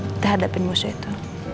kita hadapin musuh itu